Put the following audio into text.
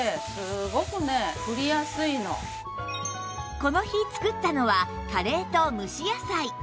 この日作ったのはカレーと蒸し野菜